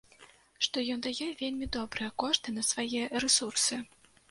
Што ён дае вельмі добрыя кошты на свае рэсурсы.